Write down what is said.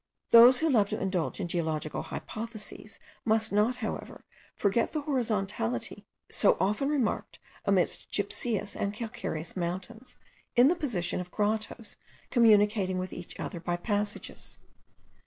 Those who love to indulge in geological hypotheses must not, however, forget the horizontality so often remarked amidst gypseous and calcareous mountains, in the position of grottoes communicating with each other by passages.